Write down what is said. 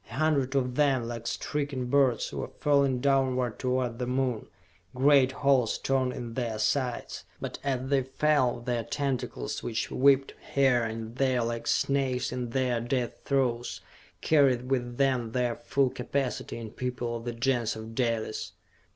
A hundred of them, like stricken birds, were falling downward toward the Moon, great holes torn in their sides. But as they fell, their tentacles, which whipped here and there like snakes in their death throes, carried with them their full capacity in people of the Gens of Dalis!